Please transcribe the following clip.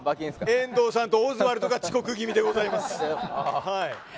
遠藤さんとオズワルドが遅刻気味です。